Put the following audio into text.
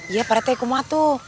iya pak rete kuma tuh